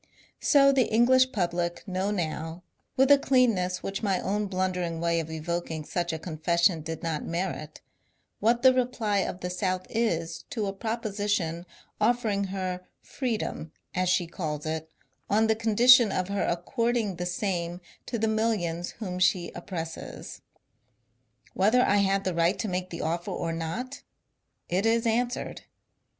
So the English public know now, with a clearness which my own blundering way of evoking such a confession did not merit, what the reply of the South is to a proposition offering her 424 MONCURE DANIEL CONWAY ^^ freedom," as she calls it, on the condition of her according the same to the millions whom she oppresses. Whether I had the right to make the offer or not, it is answered.